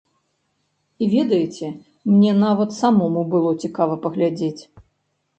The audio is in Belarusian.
І ведаеце, мне нават самому было цікава паглядзець.